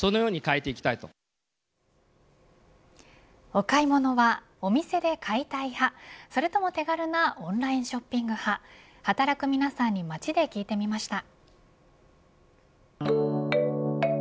お買い物はお店で買いたい派それとも手軽なオンラインショッピング派働く皆さんに街で聞いてみました。